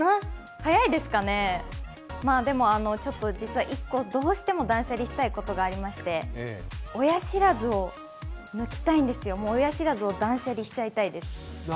早いですかね、１個、どうしても断捨離したいことがありまして親知らずを抜きたいんですよ、親知らずを断捨離しちゃいたいです。